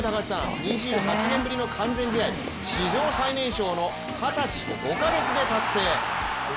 ２８年ぶりの完全試合、史上最年少の二十歳５か月で達成。